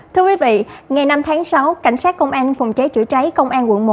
thưa quý vị ngày năm tháng sáu cảnh sát công an phòng cháy chữa cháy công an quận một